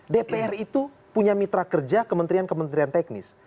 dpr itu punya mitra kerja kementerian kementerian teknis